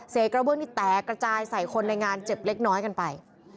กระเบื้องนี้แตกระจายใส่คนในงานเจ็บเล็กน้อยกันไป